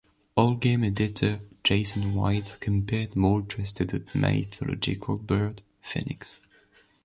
Allgame editor Jason White compared Moltres to the mythological bird, Phoenix.